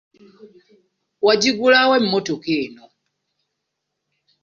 Wagigula wa emmotoka eno?